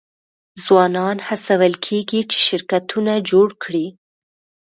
ځوانان هڅول کیږي چې شرکتونه جوړ کړي.